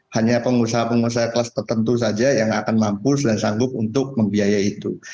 hanya pengusaha pengusaha kelas tertentu saja yang akan mampu dan sanggup untuk membiayai itu